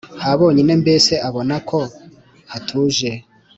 habonyine mbese ubona ko hatuje.